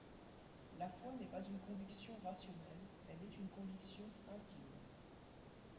La foi n’est pas une conviction rationnelle, elle est une conviction intime.